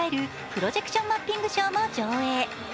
プロジェクションマッピングショーも上映。